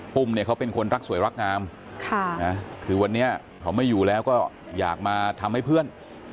เขาเป็นคนรักสวยรักงามคือวันนี้เขาไม่อยู่แล้วก็อยากมาทำให้เพื่อน